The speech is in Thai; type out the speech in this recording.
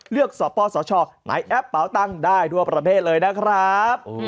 เลือกสอบพ่อสชไหนแอปเป๋าตั้งได้ทั่วประเภทเลยนะครับ